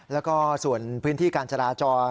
แล้วก็ส่วนพื้นที่การจราจร